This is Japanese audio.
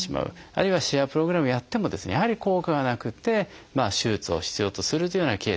あるいはシェアプログラムをやってもやはり効果がなくて手術を必要とするというようなケースもあるんですね。